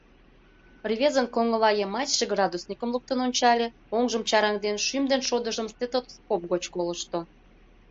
Рвезын коҥылайымачше градусникым луктын ончале, оҥжым чараҥден, шӱм ден шодыжым стетоскоп гоч колышто.